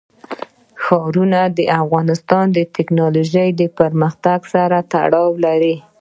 ښارونه د افغانستان د تکنالوژۍ پرمختګ سره تړاو لري.